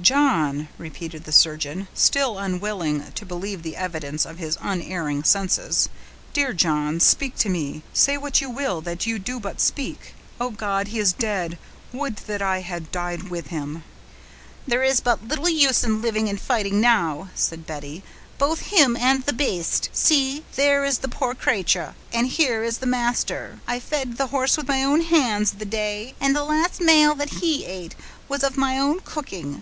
"John!" repeated the surgeon, still unwilling to believe the evidence of his unerring senses. "Dear John, speak to me; say what you will, that you do but speak. Oh, God! he is dead; would that I had died with him!" "There is but little use in living and fighting now," said Betty. "Both him and the baste! see, there is the poor cratur, and here is the master! I fed the horse with my own hands, the day; and the last male that he ate was of my own cooking.